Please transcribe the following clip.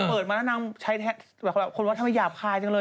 เปิดมานางใช้แท้แบบคนว่าทำไมหยาบคายจังเลย